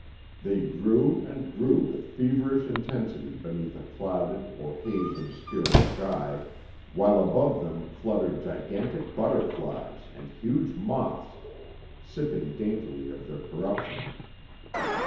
They grew and grew with feverish intensity beneath a clouded or a haze obscured sky, while above them fluttered gigantic butterflies and huge moths, sipping daintily of their corruption.